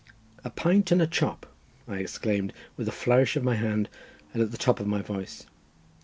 "A pint and a chop!" I exclaimed, with a flourish of my hand and at the top of my voice.